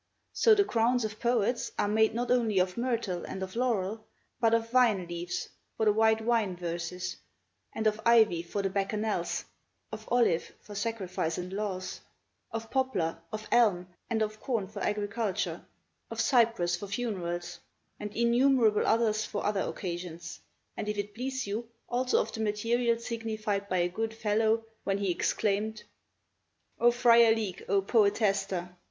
So the crowns of poets are made not only of myrtle and of laurel, but of vine leaves for the white wine verses, and of ivy for the bacchanals; of olive for sacrifice and laws; of poplar, of elm, and of corn for agriculture; of cypress for funerals, and innumerable others for other occasions; and if it please you, also of the material signified by a good fellow when he exclaimed: "O Friar Leek! O Poetaster!